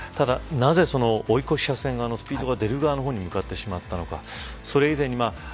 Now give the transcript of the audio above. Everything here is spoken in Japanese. ただ、なぜ追い越し車線側のスピードが出るがの方に向かってしまったのか。